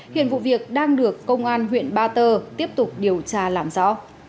hiện vụ việc đang được công an huyện ba tơ tiếp tục điều tra làm rõ